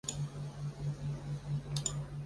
其中三颗最亮的星组成一个三角。